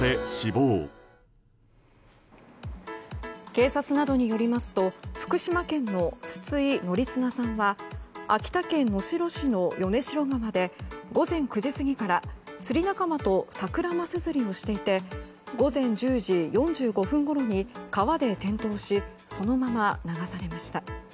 警察などによりますと福島県の筒井典綱さんは秋田県能代市の米代川で午前９時過ぎから釣り仲間とサクラマス釣りをしていて午前１０時４５分ごろに川で転倒しそのまま流されました。